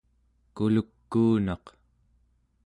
kuluk'uunaq